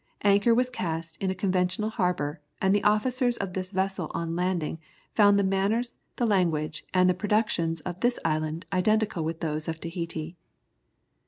Anchor was cast in a convenient harbour, and the officers of this vessel on landing found the manners, the language, and the productions of this island identical with those of Tahiti.